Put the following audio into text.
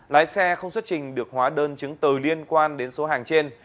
lái xe không xuất trình được hóa đơn chứng từ liên quan đến số hàng trên